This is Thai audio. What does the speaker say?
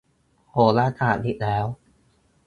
โหราศาสตร์อีกแล้ว